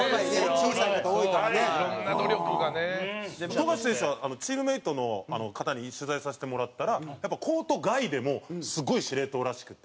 富樫選手はチームメイトの方に取材させてもらったらコート外でもすごい司令塔らしくて。